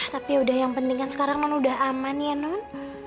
tapi udah yang pentingkan sekarang non udah aman ya non